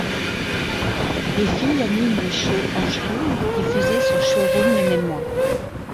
Les filles animent le show Angeroom diffusé sur Showroom le même mois.